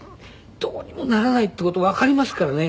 どうにもならないっていう事わかりますからね。